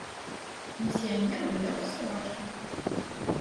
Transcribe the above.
Пенсіянер гуляў з сабачкам.